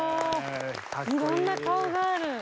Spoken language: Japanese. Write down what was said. いろんな顔がある。